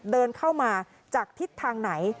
เดินเข้ามาจากทิศทางไหน